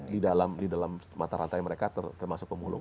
pemulung juga tentunya di dalam mata rantai mereka termasuk pemulung